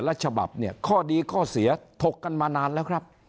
ละฉบับเนี่ยข้อดีข้อเสียถกกันมานานแล้วครับ